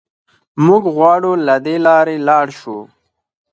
موږ غواړو له دې لارې لاړ شو.